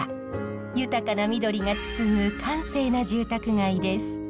豊かな緑が包む閑静な住宅街です。